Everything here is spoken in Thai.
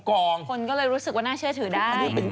คนก็เลยรู้สึกว่าน่าเชื่อถือได้